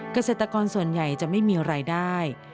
เกษตรกรส่วนใหญ่จะไม่มีรายได้